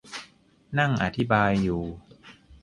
นั่งอธิบายอยู่